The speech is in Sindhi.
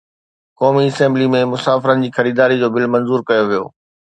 قومي اسيمبلي ۾ مسافرن جي خريداري جو بل منظور ڪيو ويو